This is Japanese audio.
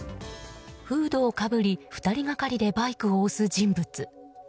フードをかぶり２人がかりでバイクを押す人物。